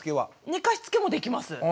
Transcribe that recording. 寝かしつけもできます。